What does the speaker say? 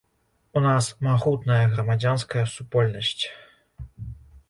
У нас магутная грамадзянская супольнасць.